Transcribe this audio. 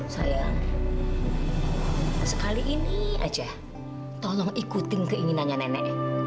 sayang sekali ini aja tolong ikuti keinginannya nenek